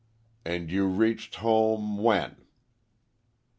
"And you reached home—when?"